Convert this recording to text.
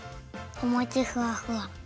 おもちふわふわ。